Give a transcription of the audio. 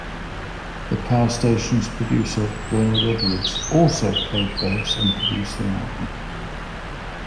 The Power Station's producer Bernard Edwards also played bass and produced the album.